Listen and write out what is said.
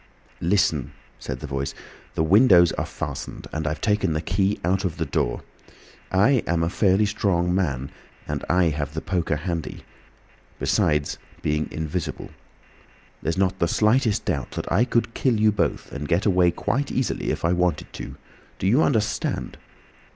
"Listen," said the Voice. "The windows are fastened and I've taken the key out of the door. I am a fairly strong man, and I have the poker handy—besides being invisible. There's not the slightest doubt that I could kill you both and get away quite easily if I wanted to—do you understand?